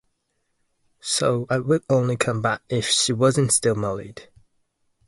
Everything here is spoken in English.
So I would only come back if she wasn't still married.